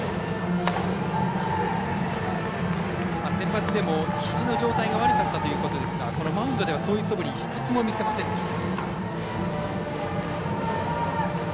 センバツでもひじの状態が悪かったということですがこのマウンドではそういうそぶり１つも見せませんでした。